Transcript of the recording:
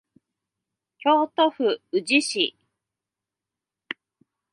京都府宇治市